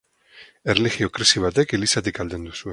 Erlijio-krisi batek Elizatik aldendu zuen.